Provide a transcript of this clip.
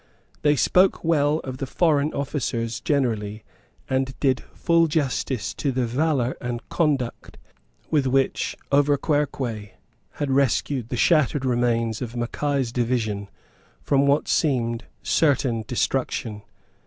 They spoke well of the foreign officers generally, and did full justice to the valour and conduct with which Auverquerque had rescued the shattered remains of Mackay's division from what seemed certain destruction.